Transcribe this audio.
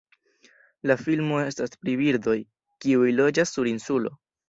La filmo estas pri birdoj, kiuj loĝas sur insulo.